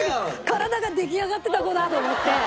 体が出来上がってた子だ！と思って。